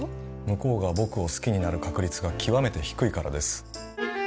向こうが僕を好きになる確率が極めて低いからです